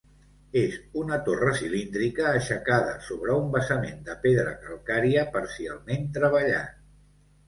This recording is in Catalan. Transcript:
És una torre cilíndrica aixecada sobre un basament de pedra calcària parcialment treballat.